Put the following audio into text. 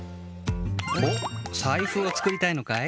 おっサイフを作りたいのかい？